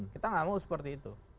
kita nggak mau seperti itu